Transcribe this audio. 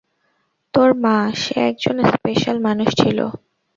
তোর মা, সে একজন স্পেশাল মানুষ ছিল।